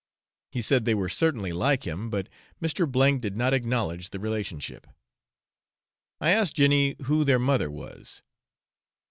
He said they were certainly like him, but Mr. K did not acknowledge the relationship. I asked Jenny who their mother was.